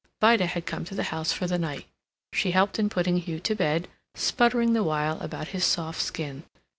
Vida had come to the house for the night. She helped in putting Hugh to bed, sputtering the while about his soft skin.